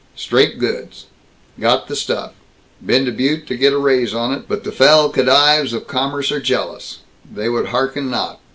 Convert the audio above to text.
Straight goods. Got the stuff. Been to Butte to get a raise on it, but the fell khedives of commerce are jealous. They would hearken not.